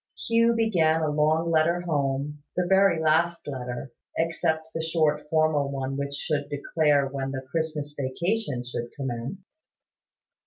Hugh began a long letter home, the very last letter, except the short formal one which should declare when the Christmas vacation should commence.